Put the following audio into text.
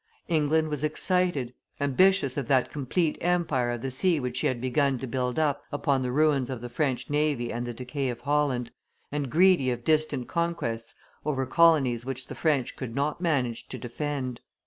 England was excited, ambitious of that complete empire of the sea which she had begun to build up upon the ruins of the French navy and the decay of Holland, and greedy of distant conquests over colonies which the French could not manage to defend.